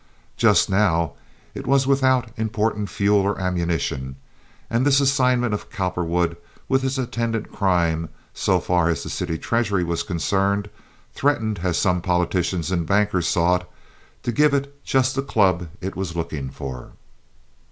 Just now it was without important fuel or ammunition; and this assignment of Cowperwood, with its attendant crime, so far as the city treasury was concerned, threatened, as some politicians and bankers saw it, to give it just the club it was looking for.